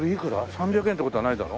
３００円って事はないだろ？